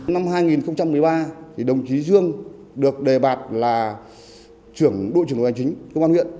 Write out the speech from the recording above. năm hai nghìn một mươi ba đồng chí dương được đề bạt là đội trưởng đồng hành chính công an huyện